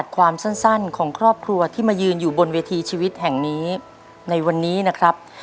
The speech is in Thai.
ครอบครัวที่มายืนอยู่บนเวทีชีวิตแห่งนี้ในวันนี้นะครับ